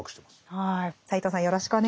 はい。